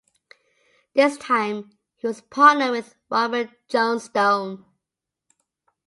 This time he was partnered with Robin Johnstone.